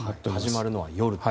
始まるのは夜。